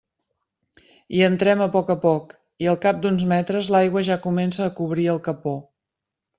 Hi entrem a poc a poc, i al cap d'uns metres l'aigua ja comença a cobrir el capó.